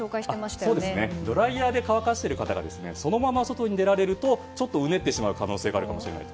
ドライヤーで乾かしている方がそのまま外に出られるとちょっとうねってしまう可能性があるかもしれない。